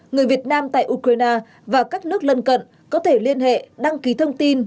người việt nam tại ukraine và các nước lân cận có thể liên hệ đăng ký thông tin